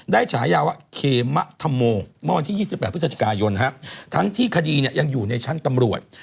ฉายาว่าเคมะธัมโมเมื่อวันที่๒๘พฤศจิกายนทั้งที่คดียังอยู่ในชั้นตำรวจ